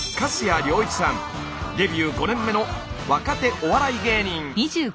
デビュー５年目の若手お笑い芸人。